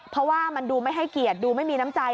เพราะว่ามันดูไม่ให้เกียรติดูไม่มีน้ำใจ